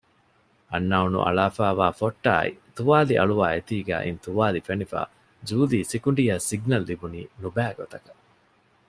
އަންނައުނު އަޅާފައިވާ ފޮއްޓާއި ތުވާލި އަޅުވާ އެތީގައި އިން ތުވާލި ފެނިފައި ޖޫލީގެ ސިކުނޑިއަށް ސިގްނަލް ލިބުނީ ނުބައިގޮތަކަށް